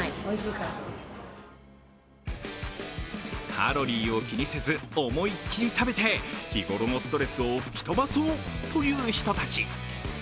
カロリーを気にせず、思いっきり食べて日頃のストレスを吹き飛ばそうという人たち。